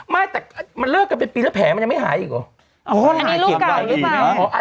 ไม่แต่มันเลิกกันเป็นปีแล้วแผ่มันยังไม่หายอีกหรอ